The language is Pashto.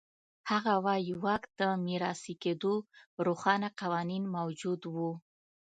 هغه وایي واک د میراثي کېدو روښانه قوانین موجود و.